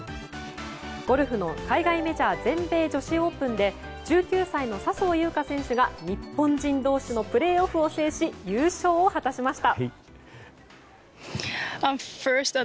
ゴルフの海外メジャー全米女子オープン１９歳の笹生優花選手が日本人同士のプレーオフを制して優勝を果たしました。